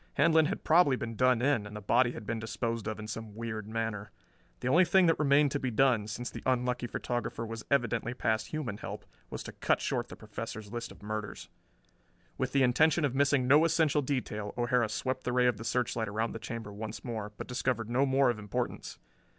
Handlon had probably been done in, and the body had been disposed of in some weird manner. The only thing that remained to be done, since the unlucky photographer was evidently past human help, was to cut short the Professor's list of murders. With the intention of missing no essential detail O'Hara swept the ray of the searchlight around the chamber once more, but discovered no more of importance.